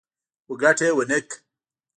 خو ګټه يې ونه کړه.